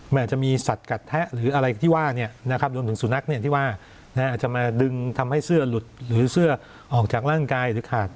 มันอาจจะมีสัตว์กัดแทะหรืออะไรที่ว่ารวมถึงสุนัขที่ว่าอาจจะมาดึงทำให้เสื้อหลุดหรือเสื้อออกจากร่างกายหรือขาด